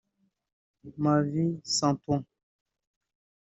Ma vie sans toi